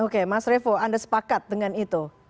oke mas revo anda sepakat dengan itu